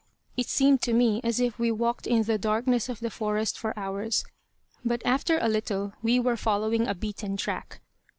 It seemed to me as if we walked in the darkness of the forest for hours; but after a little we were following a beaten track.